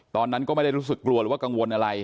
ตอนนั้นก็ไม่ได้รู้สึกกลัวหรือว่ากังวลอะไร